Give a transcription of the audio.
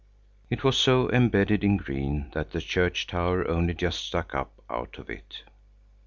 It was so embedded in green that the church tower only just stuck up out of it.